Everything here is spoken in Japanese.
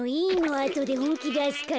あとでほんきだすから。